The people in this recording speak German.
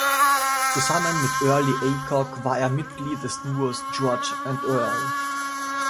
Zusammen mit Earl Aycock war er Mitglied des Duos "George and Earl".